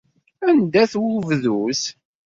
Anda-t webduz?